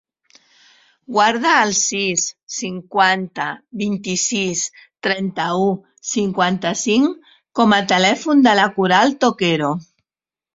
Guarda el sis, cinquanta, vint-i-sis, trenta-u, cinquanta-cinc com a telèfon de la Coral Toquero.